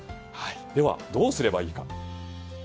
では、どうすればいいのか。